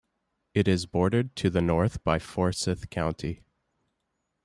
It is bordered to the north by Forsyth County.